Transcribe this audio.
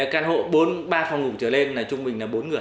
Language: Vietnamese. căn hộ ba phòng ngủ trở lên là trung bình là bốn người